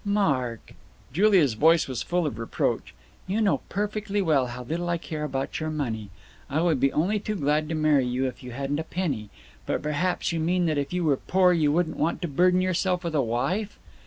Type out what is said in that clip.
"Mark!" Julia's voice was full of reproach. "You know perfectly well how little I care about your money. I would be only too glad to marry you if you hadn't a penny. But perhaps you mean that if you were poor you wouldn't want to burden yourself with a wife?"